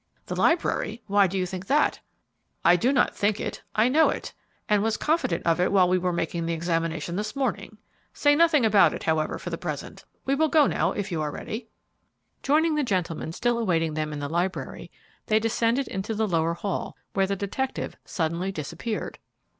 "The library! Why do you think that?" "I do not think it, I know it, and was confident of it while we were making the examination this morning. Say nothing about it, however, for the present. We will go now, if you are ready." Joining the gentleman still awaiting them in the library, they descended into the lower hall, where the detective suddenly disappeared.